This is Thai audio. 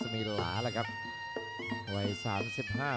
ฮีวอร์เป็นฮีวอร์เป็นฮีวอร์เป็นฮีวอร์